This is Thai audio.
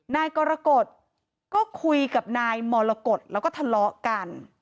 นายกรกฎก็คุยกับนายมรกฏแล้วก็ทะเลาะกัน